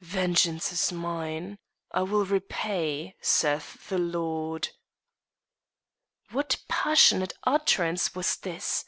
"'Vengeance is mine! I will repay,' saith the Lord." What passionate utterance was this?